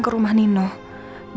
aku lebih sekali